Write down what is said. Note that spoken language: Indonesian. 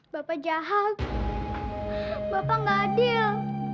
bapak jahat bapak gak adil